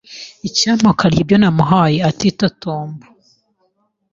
Icyampa akarya ibyo namuhaye atitotomba.